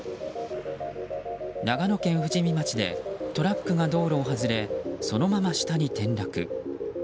長野県富士見町でトラックが道路を外れそのまま下に転落。